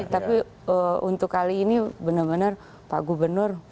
tapi untuk kali ini benar benar pak gubernur